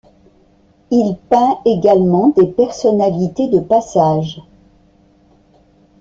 Il peint également des personnalités de passage.